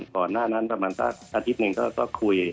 ก่อนหน้านั้นประมาณสักอาทิตย์หนึ่งก็คุย